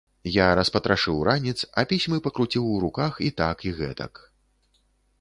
Я распатрашыў ранец, а пісьмы пакруціў у руках і так і гэтак.